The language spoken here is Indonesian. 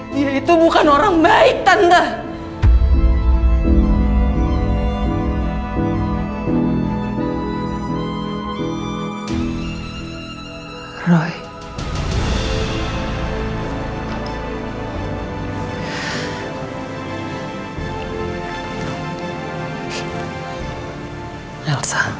dia itu bukan orang baik tante